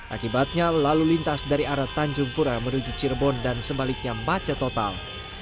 akibatnya lalu lintas dari arah tanjung pura menuju cirebon dan sebaliknya macet total